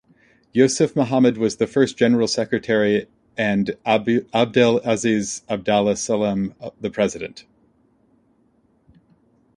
Youssef Mohammad was the first General Secretary and Abdel Aziz Abdallah Salem the president.